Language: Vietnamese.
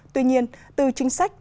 tuy nhiên từ chính sách